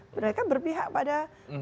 mereka berpihak pada dua